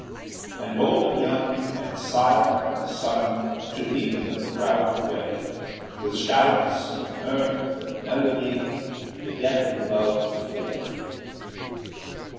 And old and young, and sire and son, To meet them crowd the way, With shouts, and mirth, and melody, The debt of love to pay.